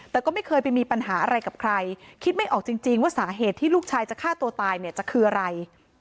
แต่ก็ไม่เคยไปมีปัญหาอะไรกับใครคิดไม่ออกจริงว่าสาเหตุที่ลูกชายจะฆ่าตัวตายเนี่ยจะคืออะไร